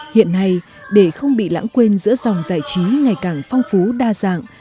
hiện nay để không bị lãng quên giữa dòng giải trí ngày càng phong phú đa dạng